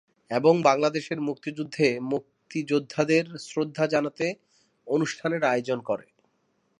এবং বাংলাদেশের মুক্তিযুদ্ধের মুক্তিযোদ্ধাদের শ্রদ্ধা জানাতে অনুষ্ঠানের আয়োজন করে।